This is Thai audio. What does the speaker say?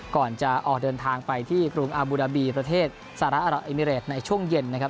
ก่อนจะออกเดินทางไปที่กรุงอาบูดาบีประเทศสหรัฐอารับเอมิเรตในช่วงเย็นนะครับ